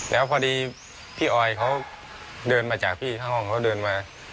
แล้วพอดีพี่ออยเขาเดินมาจากพี่ข้างห้องเขาเดินมา